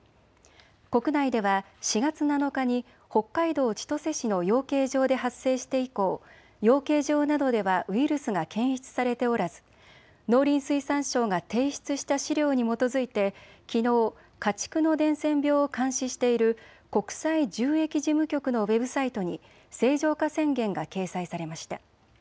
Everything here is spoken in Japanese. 国内では４月７日に北海道千歳市の養鶏場で発生して以降、養鶏場などではウイルスが検出されておらず農林水産省が提出した資料に基づいてきのう家畜の伝染病を監視している国際獣疫事務局のウェブサイトに清浄化宣言が掲載されました。